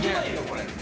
これ。